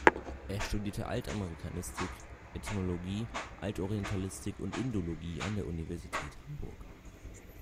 Er studierte Altamerikanistik, Ethnologie, Altorientalistik und Indologie an der Universität Hamburg.